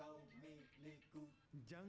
harus kembali ke rumah